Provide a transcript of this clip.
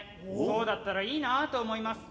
そうだったらいいなあと思います」。